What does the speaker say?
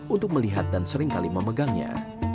untuk melihat dan seringkali memegangnya